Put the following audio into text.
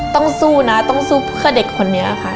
ต้องสู้นะต้องสู้เพื่อเด็กคนนี้ค่ะ